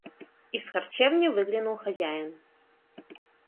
Из харчевни выглянул хозяин.